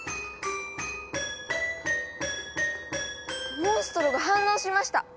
モンストロが反応しました！